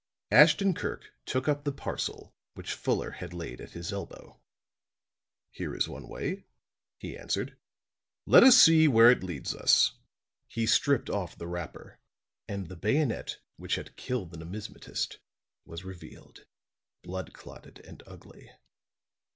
Ashton Kirk took up the parcel which Fuller had laid at his elbow. "Here is one way," he answered. "Let us see where it leads us." He stripped off the wrapper, and the bayonet which had killed the numismatist was revealed, blood clotted and ugly.